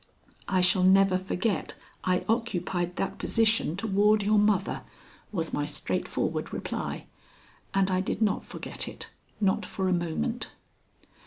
"I shall never forget I occupied that position toward your mother," was my straightforward reply, and I did not forget it, not for a moment.